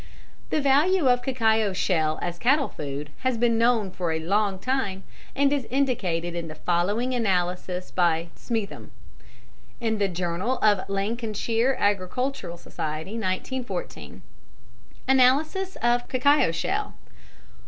The value of cacao shell as cattle food has been known for a long time, and is indicated in the following analysis by Smetham (in the Journal of the Lancashire Agricultural Society, 1914). ANALYSIS OF CACAO SHELL.